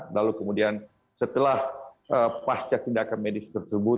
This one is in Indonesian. lalu kemudian setelah pasca tindakan medis tersebut